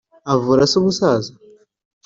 avura se ubusaza,